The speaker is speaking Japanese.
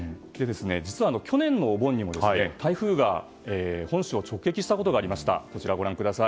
実は、去年のお盆にも台風が本州を直撃したことがありました。